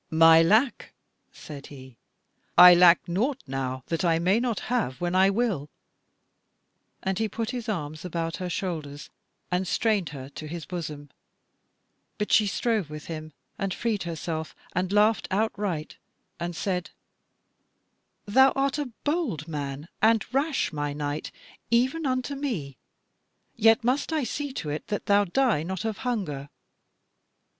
"My lack?" said he; "I lack nought now, that I may not have when I will." And he put his arms about her shoulders and strained her to his bosom. But she strove with him, and freed herself and laughed outright, and said: "Thou art a bold man, and rash, my knight, even unto me. Yet must I see to it that thou die not of hunger."